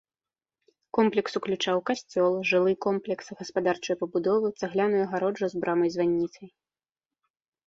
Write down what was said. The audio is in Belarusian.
Комплекс уключаў касцёл, жылы комплекс, гаспадарчыя пабудовы, цагляную агароджу з брамай-званіцай.